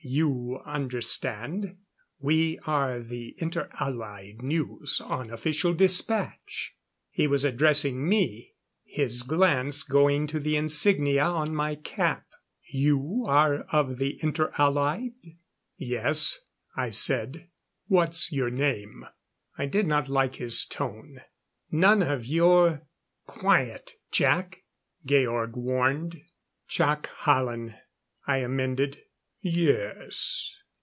"You understand? We are the Inter Allied News on Official Dispatch." He was addressing me, his glance going to the insignia on my cap. "You are of the Inter Allied?" "Yes," I said. "What's your name?" I did not like his tone. "None of your " "Quiet, Jac," Georg warned. "Jac Hallen," I amended. "Yes.